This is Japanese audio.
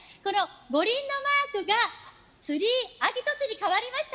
五輪のマークがスリー・アギトスに変わりました。